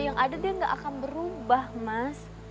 yang ada dia nggak akan berubah mas